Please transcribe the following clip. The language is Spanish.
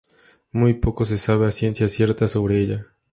Muy poco se sabe a ciencia cierta sobre ella.